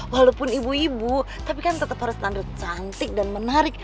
walaupun ibu ibu tapi kan tetap harus standar cantik dan menarik